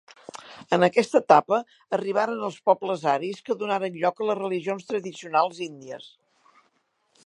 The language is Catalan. En aquesta etapa arribaren els pobles aris que donaren lloc a les religions tradicionals índies.